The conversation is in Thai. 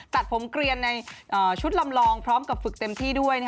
ตัดผมเกลียนในชุดลำลองพร้อมกับฝึกเต็มที่ด้วย